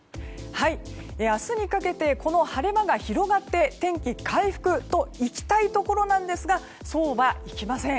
明日にかけて晴れ間が広がって天気回復といきたいところなんですがそうはいきません。